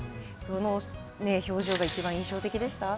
どの表情が一番印象的でしたか。